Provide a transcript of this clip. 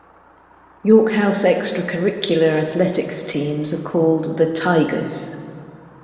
York House extra-curricular athletics teams are called the Tigers.